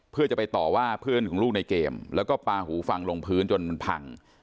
เพื่อจะไปต่อว่าเพื่อนของลูกในเกมแล้วก็ปลาหูฟังลงพื้นจนมันพัง